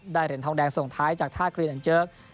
เหรียญทองแดงส่งท้ายจากท่ากรีนอันเจิก